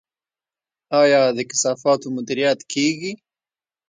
آیا د کثافاتو مدیریت کیږي؟